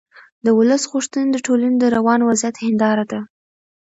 د ولس غوښتنې د ټولنې د روان وضعیت هنداره ده